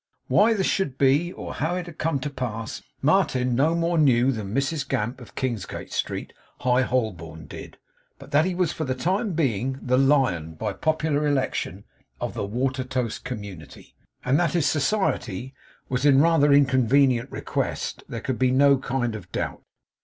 Why this should be, or how it had come to pass, Martin no more knew than Mrs Gamp, of Kingsgate Street, High Holborn, did; but that he was for the time being the lion, by popular election, of the Watertoast community, and that his society was in rather inconvenient request there could be no kind of doubt.